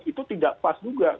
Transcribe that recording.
itu tidak pas juga